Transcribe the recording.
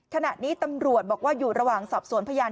ขณะนี้ตำรวจบอกว่าอยู่ระหว่างสอบสวนพยาน